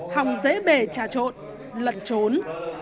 hồng dễ bể trả trộn lận trốn